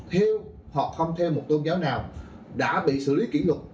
theo hoặc không theo một tôn giáo nào đã bị xử lý kỷ lục hoặc xử lý kỷ lục